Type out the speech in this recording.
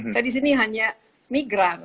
saya di sini hanya migran